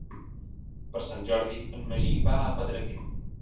Per Sant Jordi en Magí va a Pedreguer.